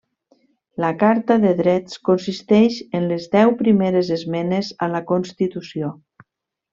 La Carta de Drets consisteix en les deu primeres esmenes a la constitució.